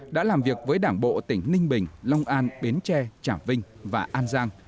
đã làm việc với đảng bộ tỉnh ninh bình long an bến tre trả vinh và an giang